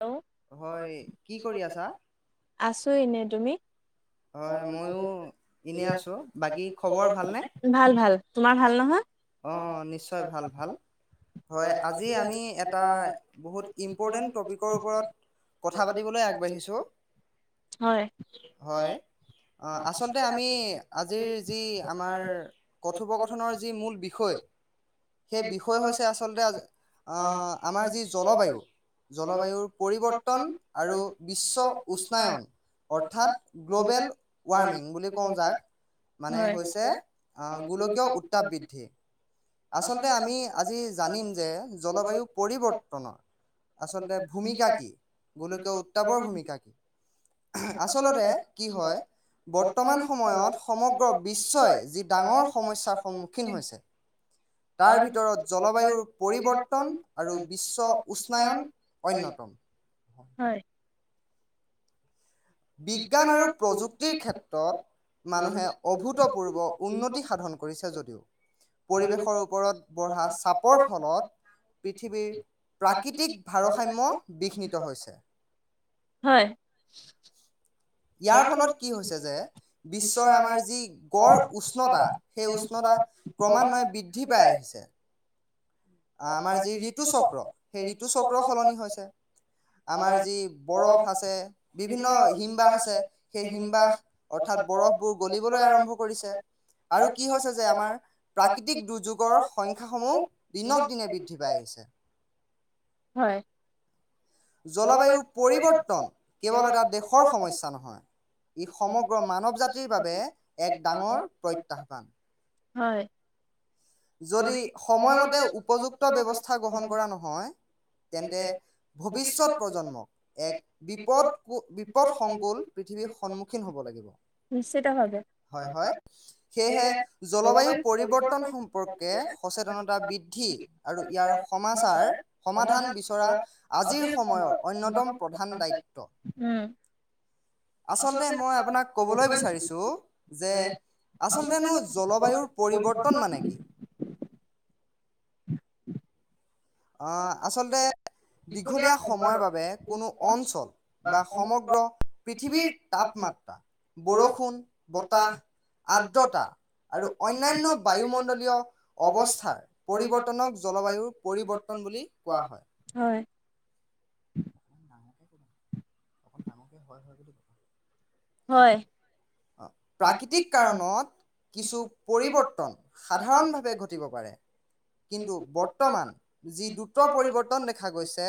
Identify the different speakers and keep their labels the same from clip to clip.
Speaker 1: Hello আছোঁ এনে তুমি। [inaudible] ভাল ভাল তোমাৰ ভাল নহয়।
Speaker 2: অ নিশ্চয় ভাল ভাল হয় আজি আমি এটা বহুত ইম্পৰ্টেণ্ট টপিক কৰ ওপৰত কথা পাতিবলৈ আগবঢ়িছো হয় আচলতে আমি আজিৰ যি আমাৰ কথোপকথনৰ যি মূল বিষয় বিষয় সেই বিষয় হৈছে আচলতে আজি আ আমাৰ যি জলবায়ু জলবায়ুৰ পৰিৱৰ্তন আৰু বিশ্ব উষ্ণায়ন অৰ্থাৎ গ্ল'বেল ৱাৰ্মিং বুলি কওঁ যাক মানে হৈছে গোলকীয় উত্তাপ বৃদ্ধি আচলতে আমি আজি জানিম যে জলবায়ু পৰিৱৰ্তনৰ আচলতে ভূমিকা কি গোলকীয় উত্তাপৰ ভূমিকা কি উমহ আচলতে কি হয় বৰ্তমান সময়ত সমগ্ৰ বিশ্বই যি ডাঙৰ সমস্যাৰ সন্মুখীন হৈছে তাৰ ভিতৰত জলবায়ুৰ পৰিৱৰ্তন আৰু বিশ্ব উষ্ণায়ন অন্যতম
Speaker 1: হয়
Speaker 2: বিজ্ঞান আৰু প্ৰযুক্তিৰ ক্ষেত্ৰত মানুহে অভূতপূৰ্ব উন্নতি সাধন কৰিছে যদিও পৰিৱেশৰ ওপৰত বঢ়া চাপৰ ফলত পৃথিৱীৰ প্ৰাকৃতিক ভাৰসাম্য বিঘ্নিত হৈছে
Speaker 1: হয়
Speaker 2: ইয়াৰ ফলত কি হৈছে যে বিশ্বৰ আমাৰ যি গড় উষ্ণতা সেই উষ্ণতা ক্ৰমান্বয়ে বৃদ্ধি পাই আহিছে আমাৰ যি ঋতুচক্ৰ সেই ঋতুচক্ৰ সলনি হৈছে আমাৰ যি বৰফ আছে বিভিন্ন হিমবাহ আছে সেই হিমবাহ অৰ্থাৎ বৰফবোৰ গলিবলৈ আৰম্ভ কৰিছে আৰু কি হৈছে যে আমাৰ প্ৰাকৃতিক দুৰ্যোগৰ সংখ্যাসমূহ দিনক দিনে বৃদ্ধি পাই আহিছে
Speaker 1: হয়
Speaker 2: জলবায়ু পৰিৱৰ্তন কেৱল এটা দেশৰ সমস্যা নহয় ই সমগ্ৰ মানৱ জাতিৰ বাবে এক ডাঙৰ প্ৰত্যাহ্বান
Speaker 1: হয়
Speaker 2: যদি সময়মতে উপযুক্ত ব্যৱস্থা গ্ৰহণ কৰা নহয় তেন্তে ভৱিষ্যত প্ৰজন্মক এক বিপদ বিপদ সংকুল পৃথিৱীৰ সন্মুখীন হ'ব লাগিব হয় হয় সেয়েহে জলবায়ু পৰিৱৰ্তন সচেতনতা বৃদ্ধি আৰু ইয়াৰ সমাচাৰ সমাধান বিচৰা আজিৰ সময়ৰ অন্যতম প্ৰধান দায়িত্ব
Speaker 1: উম
Speaker 2: আচলতে মই আপোনাক ক'বলৈ বিচাৰিছো যে আচলতে নো জলবায়ুৰ পৰিৱৰ্তন মানে কি
Speaker 1: [inaudible]
Speaker 2: আঁ আচলতে দীঘলীয়া সময়ৰ বাবে কোনো অঞ্চল বা সমগ্ৰ পৃথিৱীৰ তাপমাত্ৰা বৰষুণ বতাহ আৰ্দ্ৰতা আৰু অন্যান্য বায়ুমণ্ডলীয় অৱস্থাৰ পৰিৱৰ্তনক জলবায়ুৰ পৰিৱৰ্তন টন বুলি কোৱা হয়
Speaker 1: হয়
Speaker 2: ন [inaudible] অকণ ডাঙৰকে হয় বুলি ক'ব
Speaker 1: হয়
Speaker 2: প্ৰাকৃতিক কাৰণত কিছু পৰিৱৰ্তন সাধাৰণভাৱে ঘটিব পাৰে কিন্তু বৰ্তমান যি দ্ৰুত পৰিৱৰ্তন দেখা গৈছে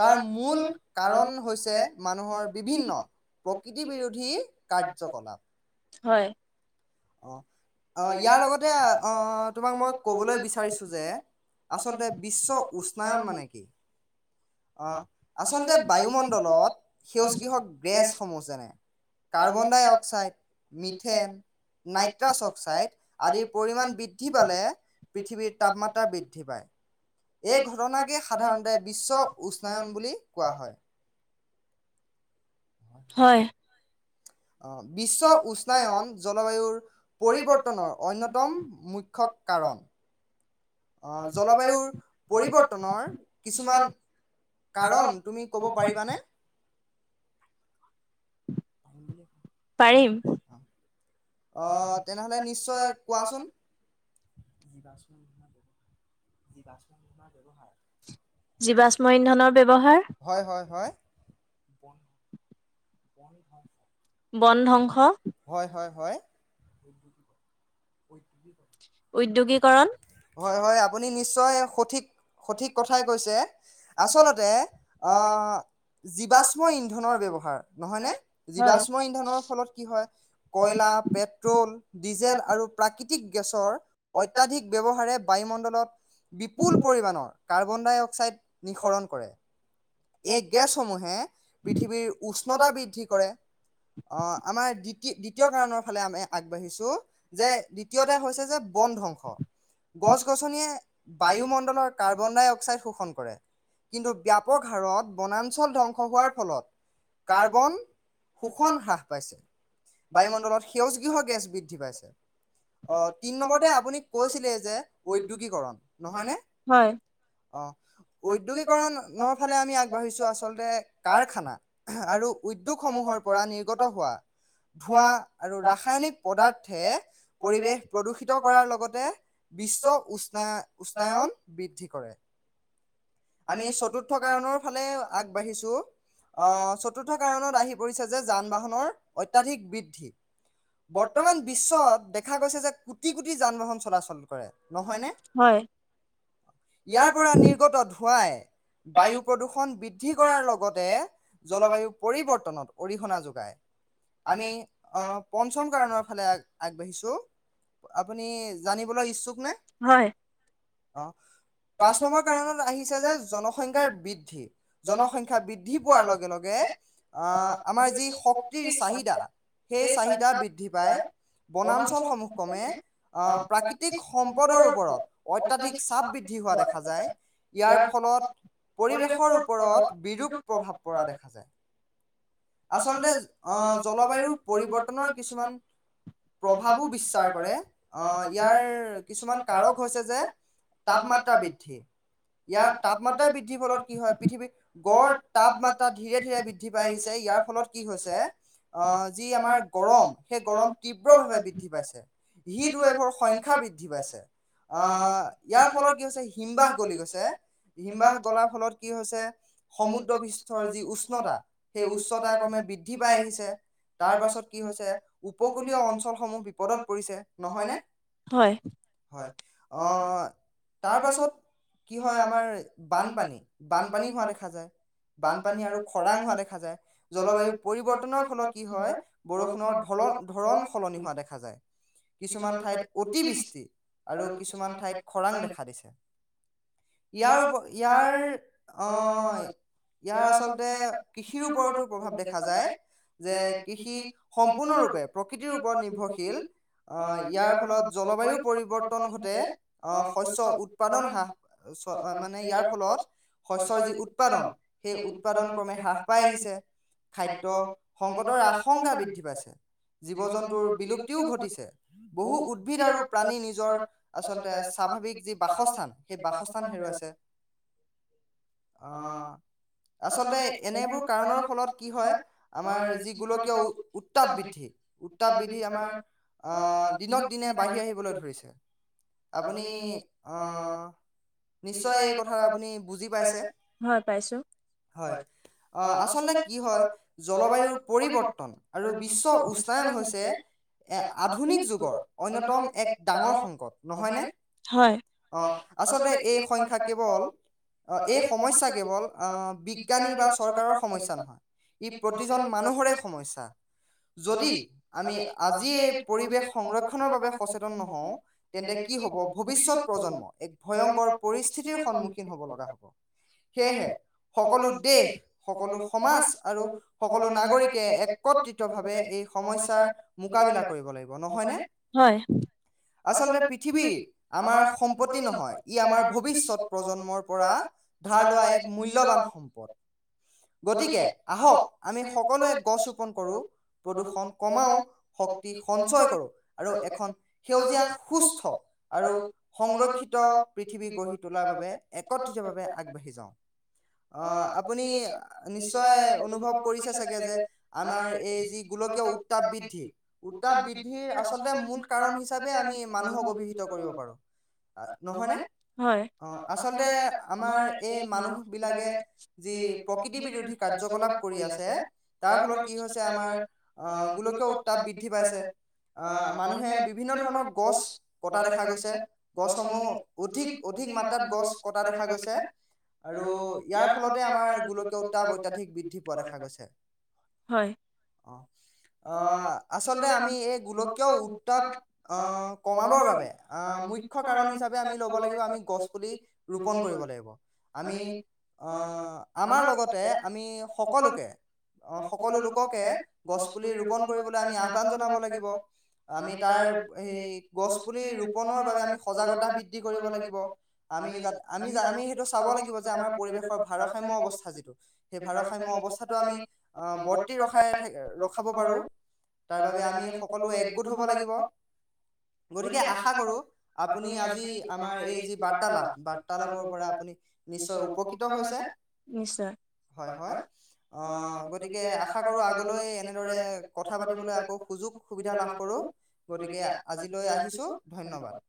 Speaker 2: তাৰ মূল কাৰণ হৈছে মানুহৰ বিভিন্ন প্ৰকৃতি বিৰোধী কাৰ্যকলাপ
Speaker 1: হয়
Speaker 2: অঁ অঁ ইয়াৰ লগতে তোমাক মই ক'বলৈ বিচাৰিছোঁ যে আচলতে বিশ্ব উষ্ণায়ন মানে কি আচলতে বায়ুমণ্ডলত সেউজগৃহ গ্ৰেছসমূহ যেনে carbon dioxide methane nitrous oxide আদিৰ পৰিমাণ বৃদ্ধি পালে পৃথিৱীৰ তাপমাত্ৰা বৃদ্ধি পায় এই ঘটনাকে সাধাৰণতে বিশ্ব উষ্ণায়ন বুলি কোৱা হয়।
Speaker 1: হয়
Speaker 2: বিশ্ব উষ্ণায়ন জলবায়ুৰ পৰিৱৰ্তনৰ অন্যতম মুখ্য কাৰণ জলবায়ুৰ পৰিৱৰ্তনৰ কিছুমান কাৰণ তুমি ক'ব পাৰিবানে বুলি কো [unintelligible] [inaudible]
Speaker 1: পাৰিম
Speaker 2: অ তেনেহ'লে নিশ্চয় কোৱাচোন ম গছ [unintelligible] [inaudible] জীৱাশ্ম তোমাৰ ব্যৱহাৰ [inaudible] হয় হয় হয় ব [unintelligible] [inaudible] ব ভ [inaudible] [inaudible]
Speaker 1: বন ধ্বংস
Speaker 2: হয় ক [inaudible] হয় হয় আপুনি নিশ্চয় সঠিক সঠিক কথাই কৈছে আচলতে আহ জীৱাষ্ম ইন্ধনৰ ব্যৱহাৰ নহয়নে জীৱাষ্ম ইন্ধনৰ ফলত কি হয় কয়লা পেট্ৰল ডিজেল আৰু প্ৰাকৃতিক গেছৰ অত্যাধিক ব্যৱহাৰে বায়ুমণ্ডলত বিপুল পৰিমাণৰ কাৰ্বন ডাই অক্সাইড নিঃসৰণ কৰে এই গেছসমূহে পৃথিৱীৰ উষ্ণতা বৃদ্ধি কৰে আমাৰ দ্বিতীয় কাৰণৰ ফালে আমি আগবাঢ়িছোঁ যে দ্বিতীয়তে হৈছে যে বন ধ্বংস গছ গছনিয়ে বায়ুমণ্ডলৰ কাৰ্বন ডাই অক্সাইড শোষণ কৰে। কিন্তু ব্যাপক বনাঞ্চল ধ্বংস হোৱাৰ ফলত কাৰ্বন শোষণ হ্ৰাস পাইছে বায়ুমণ্ডলত সেউজগৃহ গেছ বৃদ্ধি পাইছে। অহ তিনি নম্বৰতে আপুনি কৈছিলে যে ঔদ্যোগীকৰণ নহয়নে অ ঔদ্যোগীকৰণ, ফালে আমি আগবাঢ়িছো আচলতে কাৰখানা আৰু উদ্যোগসমূহৰ পৰা নিৰ্গত হোৱা ধোঁৱা আৰু ৰাসায়নিক পদাৰ্থে পৰিৱেশ প্ৰদূষিত কৰাৰ লগতে বিশ্ব উষ্ণা উষ্ণায়ন বৃদ্ধি কৰে।
Speaker 1: আমি চতু
Speaker 2: কাৰণৰ ফালে আগবাঢ়িছো আহ চতুৰ্থ কাৰণত আহি পৰিছে যে যান বাহনৰ অত্যাধিক বৃদ্ধি। বৰ্তমান বিশ্বত দেখা গৈছে যে কোটি কোটি যান বাহন চলাচল কৰে নহয়নে ইয়াৰ পৰা নিৰ্গত ধোঁৱাই বায়ু প্ৰদূষণ বৃদ্ধি। বৃদ্ধি কৰাৰ লগতে জলবায়ু পৰিৱৰ্তনত অৰিহণা যোগায়। আমি পঞ্চম কাৰণৰ ফালে আগবাঢ়িছো আপুনি জানিবলৈ ইচ্ছুক নে? অ। পাঁচ নম্বৰ কাৰণত আহিছে যে জন সংখ্যাৰ বৃদ্ধি। জনসংখ্যা বৃদ্ধি পোৱাৰ লগে লগে আঁ আমাৰ যি শক্তিৰ চাহিদা সেই চাহিদা বৃদ্ধি পাই। বনাঞ্চলসমূহক্ৰমে অ প্ৰাকৃতিক সম্পদৰ ওপৰত অইত অত্যাধিক চাপ বৃদ্ধি হোৱা দেখা যায়। ইয়াৰ ফলত পৰিৱেশৰ ওপৰত বিৰূপ প্ৰভাৱ পৰা দেখা যায়। আচলতে আ জলবায়ুৰ পৰিৱৰ্তনৰ কিছুমান প্ৰভাৱো বিস্তাৰ কৰে অ ইয়াৰ কিছুমান কাৰক হৈছে যে তাপমাত্ৰা বৃদ্ধি। ইয়াৰ তাপমাত্ৰা বৃদ্ধিৰ ফলত কি হয়, পৃথিৱীৰ গড় তাপমাত্ৰা ধীৰে ধীৰে বৃদ্ধি পাই আহিছে। ইয়াৰ ফলত কি হৈছে যি আমাৰ গৰম সেই গৰম তীব্ৰ ভাৱে বৃদ্ধি পাইছে হিট ভিৰ সংখ্যা বৃদ্ধি পাইছে। ইয়াৰ ফলত কি হৈছে হিমবাস গলি গৈছে হিমবাস গলাৰ ফলত কি হৈছে সমুদ্ৰ বিশৃষ্ঠৰ যি উষ্ণতা সেই উষ্ণা
Speaker 1: হয়
Speaker 2: অহ তাৰ পাছত কি হয় আমাৰ বানপানী বানপানী হোৱা দেখা যায় বানপানী আৰু খৰাং হোৱা দেখা যায়। জলবায়ু পৰিৱৰ্তনৰ ফলত কি হয় বৰষুণৰ ধল ধৰণ সলনি হোৱা দেখা যায়। কিছুমান ঠাইত অতিবৃষ্টি আৰু কিছুমান ঠাইত খৰাং দেখা দিছে ইয়াৰপ ইয়াৰ অহ ইয়াৰ আচলতে কৃষিৰ ওপৰতো, প্ৰভাৱ দেখা যায় যে কৃষি সম্পূৰ্ণৰূপে প্ৰকৃতিৰ ওপৰত নিৰ্ভৰশীল। অহ ইয়াৰ ফলত জলবায়ু পৰিৱৰ্তন ঘটে, অহ শস্যৰ উৎপাদন হ্ৰাস মানে ইয়াৰ ফলত শস্যয়ৰ যি উৎপাদন সেই উৎপাদন ক্ৰমে হ্ৰাস পাই আহিছে। খাদ্য সংকটৰ আশংকা বৃদ্ধি পাইছে, জীৱ জন্তুৰ বিলুপ্তিও ঘটিছে। বহু উদ্ভিদ আৰু প্ৰাণী নিজৰ আচলতে স্বাভাৱিক যি বাসস্থান, সেই বাসস্থান হেৰুৱাইছে, আহ আচলতে এনেবোৰ কাৰণৰ ফলত হয়, আমাৰ যি গোলকীয় উত্তাপ বৃদ্ধি উত্তাপ বৃদ্ধি আমাৰ অহ দিনক দিনে বাঢ়ি আহিবলৈ ধৰিছে, আপুনি অহ নিশ্চয় এই কথা আপুনি বুজি পাইছে? হয় পাইছোঁ। আচলতে কি হয়, জলবায়ুৰ পৰিৱৰ্তন আৰু বিশ্ব উচ্চায়ন হৈছে আধুনিক। অন্যতম এক ডাঙৰ সংকট নহয়নে, অ আচলতে এই সংখ্যা কেৱল এই সমস্যাৰ কেৱল অহ বিজ্ঞানী বা চৰকাৰৰ সমস্যাৰ নহয়। ই প্ৰতিজন মানুহৰে সমস্যা, যদি আমি আজিয়ে সংৰক্ষনৰৰ বাবে সচেতন নহওঁ তেন্তে কি হ'ব? ভৱিষ্যত প্ৰজন্ম এক ভয়ংকৰ পৰিস্থিতিৰ সন্মুখীন হব লগা হব। সেয়েহে সকলো দেশ সকলো সমাজ। আৰু সকলো নাগৰিকে একত্ৰিতভাৱে এই সমস্যাৰ মোকাবিলা কৰিব। নহয় নে, হয় আচলতে পৃথিৱীৰ আমাৰ সম্পত্তি নহয়, ই আমাৰ ভৱিষ্যত প্ৰজন্মৰ পৰা ধাৰ লোৱা এক মূল্যবান সম্পদ গতিকে আহক আমি সকলোৱে গছ ৰোপন কৰো, প্ৰদূষণ কমাও, শক্তি সঞ্চয় কৰোঁ, আৰু এখন সেউজীয়া সুস্থ আৰু সংৰক্ষিত পৃথিৱী গঢ়ি তোলাৰ বাবে একত্ৰিতভাৱে আগবাঢ়ি যাওঁ। অহ আপুনি, নিশ্চয় অনুভৱ কৰিছে চাগে, যে আমাৰ এই যি গোলকীয় উত্তাপ বৃদ্ধি, উত্তাপ বৃদ্ধিৰ আচলতে মূল কাৰণ হিচাপে আমি মানুহক অভিহিত কৰিব পাৰোঁ। নহয়নে, অ আচলতে আমাৰ এই মানুহ বিলাকে যি প্ৰকৃতি বিৰোধী কাৰ্যকলাপ কৰি আছে, তাৰ ফলত কি হৈছে আমাৰ আহ গোলকীয় উত্তাপ বৃদ্ধি পাইছে, আহ মানুহে বিভিন্ন ধৰণৰ গছ কটা দেখা গৈছে, গছসমূহ অধিক, অধিক মাত্ৰাত গছ কটা দেখা গৈছে, আৰু ইয়াৰ ফলতে আমাৰ গোলকীয় তাপ অত্যাধিক বৃদ্ধি দেখা গৈছে অহ, অহ আচলতে আমি এই গোলকীয় উত্তাপ আহ কমাবৰ বাবে আহ মুখ্য কাৰণ হিচাপে আমি লব লাগিব আমি গছ পুলি ৰোপন কৰিব লাগিব আমি অহ। আমাৰ লগতে আমি, সকলোকে সকলো লোককে গছ পুলি ৰোপণ কৰিবলৈ আমি আহ্বান জনাব লাগিব, আমি তাৰ সেই গছ পুলি ৰোপণৰ বাবে আমি সজাগতা বৃদ্ধি কৰিব লাগিব, আমি, আমি, আমি সেইটো চাব লাগিব যে আমাৰ পৰিৱেশৰ ভাৰসা। তোমাৰ অৱস্থা যিটো, সেই ভাৰসা অৱস্থাতটো আমি আহ বৰ্তি ৰখাই ৰখাব পাৰোঁ তাৰ বাবে আমি সকলো একগোট হব লাগিব, গতিকে আশা কৰো আপুনি আজি আমাৰ এই যি বাৰ্তালাপ বাৰ্তালাপৰ পৰা আপুনি নিশ্চয় উপকৃত হৈছে।
Speaker 1: নিশ্চয় হয়, হয়।
Speaker 2: অহ, গতিকে আশা কৰো আগলৈ এনেদৰে কথা পাতিবলৈ আকৌ সুযোগ সুবিধা লাভ কৰোঁ। গতিকে আজিলৈ আহিছো ধন্যবাদ।